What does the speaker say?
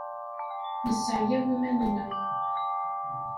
Nesseɛyaw iman-nneɣ.